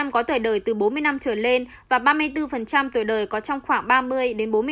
một mươi có tuổi đời từ bốn mươi năm trở lên và ba mươi bốn tuổi đời có trong khoảng ba mươi bốn mươi năm